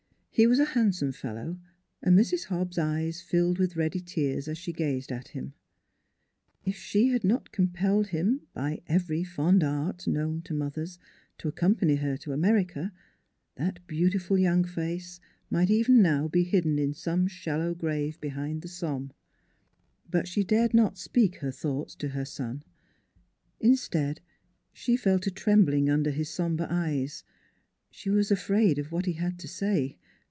He was a handsome fellow, and Mrs. Hobbs' eyes filled with ready tears as she gazed at him: If she had not compelled him by every fond art known to mothers to ac company her to America, that beautiful young face might even now be hidden in some shallow grave behind the Somme. But she dared not speak her thoughts to her son. Instead, she fell to trembling under his somber eyes. She was afraid of what he had to say.